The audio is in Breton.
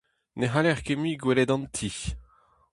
Ne c'haller ket mui gwelet an ti.